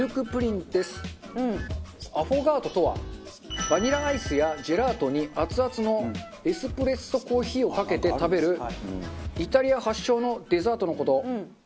アフォガートとはバニラアイスやジェラートにアツアツのエスプレッソコーヒーをかけて食べるイタリア発祥のデザートの事。